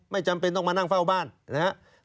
จำเป็นต้องมานั่งเฝ้าบ้านนะครับ